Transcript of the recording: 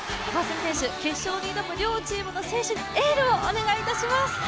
決勝に挑む両チームの選手にエールをお願いします。